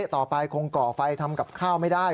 ต่อไปคงก่อไฟทำกับข้าวไม่ได้